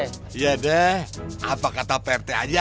iya deh apa kata prt aja